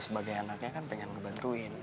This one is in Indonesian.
sebagai anaknya kan pengen ngebantuin